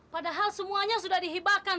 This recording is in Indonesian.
padahal semuanya sudah dihibahkan